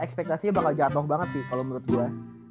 ekspektasinya bakal jatuh banget sih kalau menurut gue